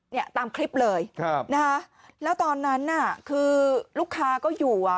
เนี่ยตามคลิปเลยครับนะฮะแล้วตอนนั้นน่ะคือลูกค้าก็อยู่อ่ะ